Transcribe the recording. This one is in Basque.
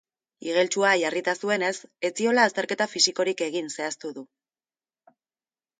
Igeltsua jarrita zuenez, ez ziola azterketa fisikorik egin zehaztu du.